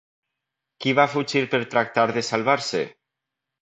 Qui va fugir per tractar de salvar-se?